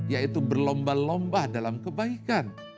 yaitu berlomba lomba dalam kebaikan